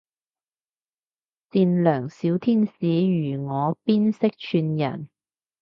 善良小天使如我邊識串人